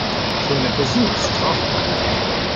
Schon der Versuch ist strafbar.